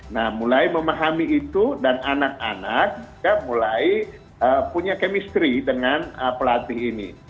nah mulai memahami itu dan anak anak mulai punya chemistry dengan pelatih ini